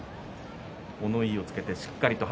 物言いをつけてしっかりと。